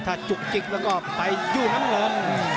ถ้าจุกจิกแล้วก็ไปยู่น้ำเงิน